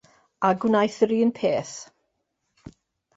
A gwnaeth yr un peth.